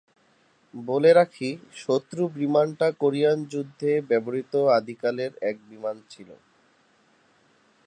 বলে রাখি, শত্রু বিমানটা কোরিয়ান যুদ্ধে ব্যবহৃত আদ্যিকালের এক বিমান ছিল।